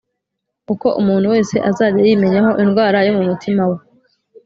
uko umuntu wese azajya yimenyaho indwara yo mu mutima we